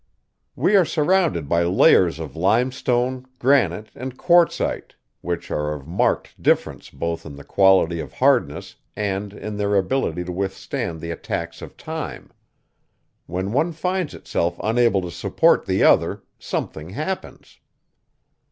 "We are surrounded by layers of limestone, granite, and quartzite, which are of marked difference both in the quality of hardness and in their ability to withstand the attacks of time. When one finds itself unable to support the other, something happens."